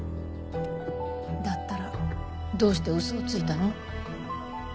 だったらどうして嘘をついたの？